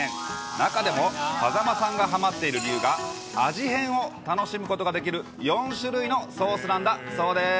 中でも風間さんがはまっている理由が、味変を楽しむことができる４種類のソースなんだそうです。